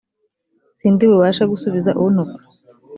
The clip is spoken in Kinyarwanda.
sindi bubashe gusubiza untuka